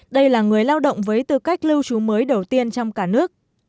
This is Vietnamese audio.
đây là người lao động với tư cách lưu trú mới đầu tiên trong cả nước